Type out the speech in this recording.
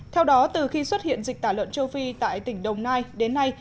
theo đó từ khi xuất hiện dịch tả lợn châu phi tại tỉnh đồng nai đến nay